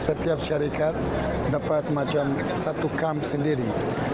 setiap syarikat dapat macam satu kam sendiri